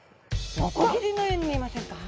ノコギリのように見えませんか？